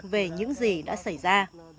về những gì đã xảy ra